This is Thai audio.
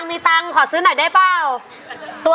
งี้ก็เรียกก้าว